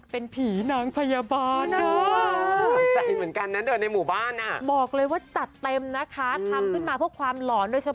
เป็นผีนางพยาบาล